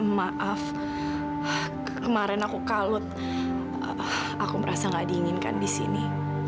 maaf kemarin aku kalut aku merasa gak diinginkan disini